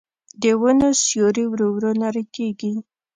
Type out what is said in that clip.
د ونو سیوري ورو ورو نری کېږي